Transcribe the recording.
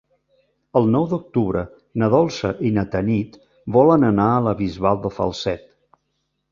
El nou d'octubre na Dolça i na Tanit volen anar a la Bisbal de Falset.